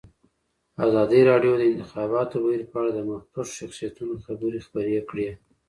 ازادي راډیو د د انتخاباتو بهیر په اړه د مخکښو شخصیتونو خبرې خپرې کړي.